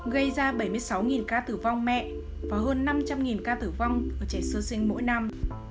gây ra bảy mươi sáu ca tử vong mẹ và hơn năm trăm linh ca tử vong ở trẻ sơ sinh mỗi năm